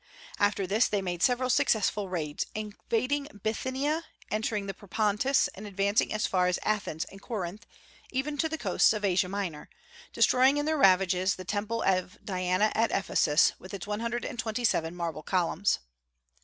After this they made several successful raids, invading Bythinia, entering the Propontis, and advancing as far as Athens and Corinth, even to the coasts of Asia Minor; destroying in their ravages the Temple of Diana at Ephesus, with its one hundred and twenty seven marble columns.